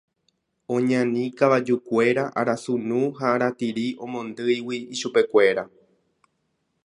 Oñani kavajukuéra arasunu ha aratiri omondýigui ichupekuéra.